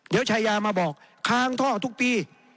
เดี๋ยวชายามาบอกค้างท่อทุกปี